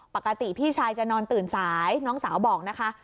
ปกติพี่ชายจะนอนตื่นสายน้องสาวบอกนะคะ